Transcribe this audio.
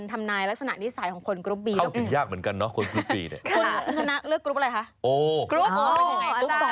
ต้องวัดเป็นอีกมุมนึงเนอะอ๋อ